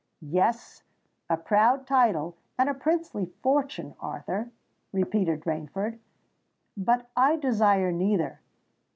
"Yes—a proud title and a princely fortune, Arthur," repeated Rainford: "but I desire neither!